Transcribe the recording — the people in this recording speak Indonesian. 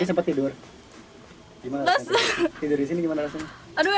tapi sempat tidur tidur di sini gimana rasanya